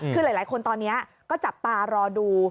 คือหลายคนตอนนี้ก็จับตารอดู